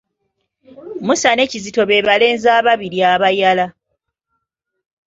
Musa ne Kizito be balenzi ababiri abayala.